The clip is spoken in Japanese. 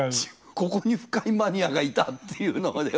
ここに深いマニアがいたっていうのがね